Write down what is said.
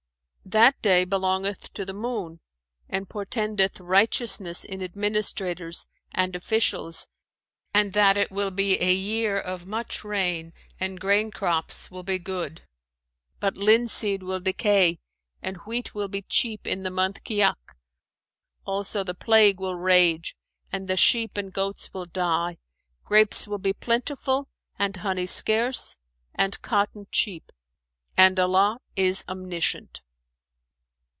"That day belongeth to the Moon and portendeth righteousness in administrators and officials and that it will be a year of much rain and grain crops will be good, but linseed will decay and wheat will be cheap in the month Kiyαhk;[FN#424] also the plague will rage and the sheep and goats will die, grapes will be plentiful and honey scarce and cotton cheap; and Allah is omniscient!"